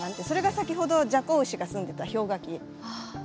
それが先ほどジャコウウシが住んでた氷河期。